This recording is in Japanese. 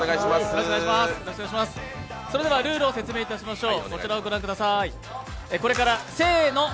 それではルールを説明いたしましょう。